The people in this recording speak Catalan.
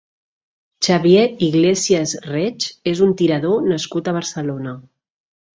Xavier Iglesias Reig és un tirador nascut a Barcelona.